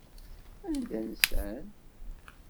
Anda nsan?